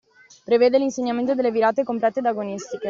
Prevede l’insegnamento delle virate complete ed agonistiche